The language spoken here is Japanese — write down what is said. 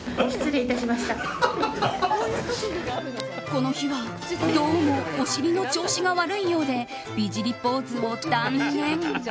この日はどうもお尻の調子が悪いようで美尻ポーズを断念。